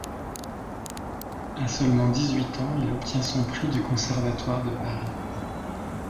À seulement dix-huit ans il obtient son prix du Conservatoire de Paris.